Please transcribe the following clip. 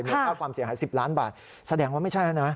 ค่าความเสียหาย๑๐ล้านบาทแสดงว่าไม่ใช่แล้วนะ